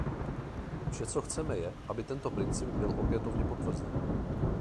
Vše co chceme je, aby tento princip byl opětovně potvrzen.